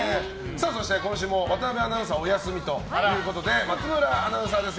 そして今週も渡邊アナウンサーはお休みということで松村アナウンサーです。